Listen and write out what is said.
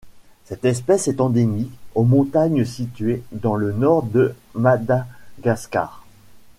Cette espèce est endémique aux montagnes situées dans le nord de Madagascar.